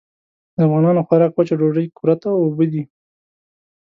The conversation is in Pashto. د افغانانو خوراک وچه ډوډۍ، کُرت او اوبه دي.